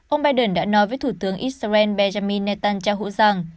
ông biden đã nói với thủ tướng israel benjamin netanyahu rằng